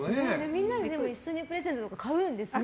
みんなで一緒にプレゼントとか買うんですね。